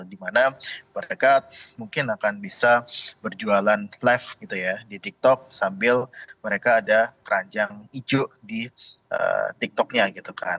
dimana mereka mungkin akan bisa berjualan live gitu ya di tiktok sambil mereka ada keranjang ijo di tiktoknya gitu kan